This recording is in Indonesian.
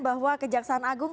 bahwa kejaksaan agung